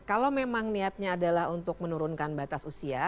kalau memang niatnya adalah untuk menurunkan batas usia